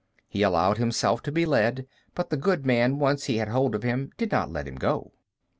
He allowed himself to be led, but the good man once he had hold of him did not let him go.